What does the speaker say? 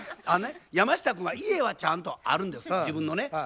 あのね山下君は家はちゃんとあるんです自分のね。